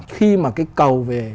khi mà cái cầu về